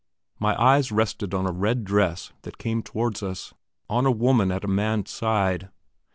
My eyes rested on a red dress that came towards us; on a woman at a man's side.